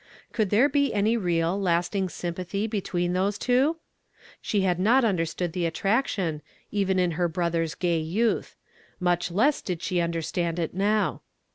Ccuhl (Immv he any real, lasting sympathy betw(>en those (u„v Nie liad not understood the attraetion, even in her brother's gay yonth; nnieh less did she under stand it now.